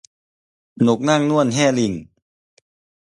นกนางนวลแฮร์ริ่ง